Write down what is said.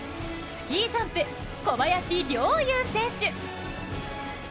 スキージャンプ、小林陵侑選手。